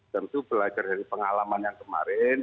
tentu belajar dari pengalaman yang kemarin